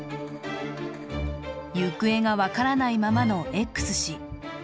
行方が分からないままのＸ氏。